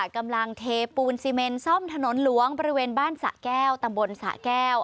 กำลังเทปูนซีเมนซ่อมถนนหลวงบริเวณบ้านสะแก้วตำบลสะแก้ว